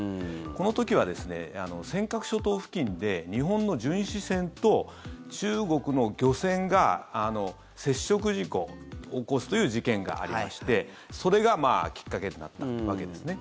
この時は尖閣諸島付近で日本の巡視船と中国の漁船が接触事故を起こすという事件がありましてそれがきっかけとなったわけですね。